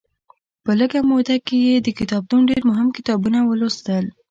په لږه موده کې یې د کتابتون ډېر مهم کتابونه ولوستل.